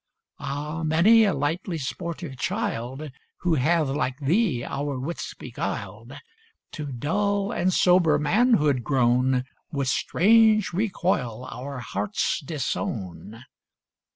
Ah! many a lightly sportive child, Who hath like thee our wits beguiled, To dull and sober manhood grown, With strange recoil our hearts disown.